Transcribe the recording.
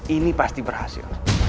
ini pasti berhasil